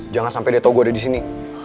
jangan sampe dia tau gue ada disini